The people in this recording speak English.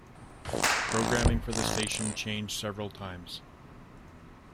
Programming for the station changed several times.